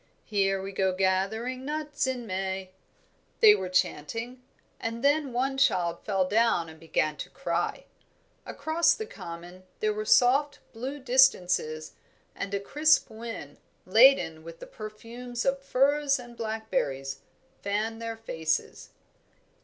"Here we go gathering nuts in May," they were chanting, and then one child fell down and began to cry. Across the common there were soft blue distances and a crisp wind, laden with the perfumes of firs and blackberries, fanned their faces.